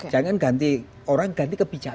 jangan ganti orang ganti kebijakan